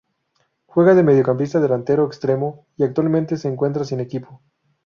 Juega de mediocampista, delantero extremo y actualmente se encuentra sin equipo.